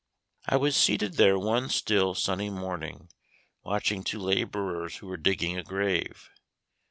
I was seated there one still sunny morning watching two laborers who were digging a grave.